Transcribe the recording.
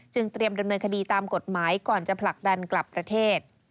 เตรียมดำเนินคดีตามกฎหมายก่อนจะผลักดันกลับประเทศ